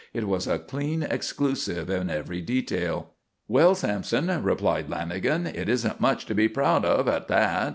It was a clean exclusive in every detail. "Well, Sampson," replied Lanagan, "it isn't much to be proud of at that.